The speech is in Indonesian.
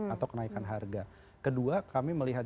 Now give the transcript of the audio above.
atau kenaikan harga kedua kami melihat